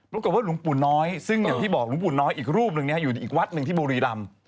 ปรากฏว่าหลวงปู่น้อยซึ่งอย่างที่บอกหลวงปู่น้อยอีกรูปหนึ่งอยู่อีกวัดหนึ่งที่บุรีรำ